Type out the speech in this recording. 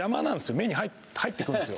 目に入ってくるんすよ